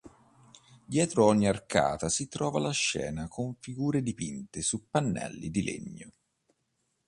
Dietro ogni arcata si trova la scena con figure dipinte su pannelli di legno.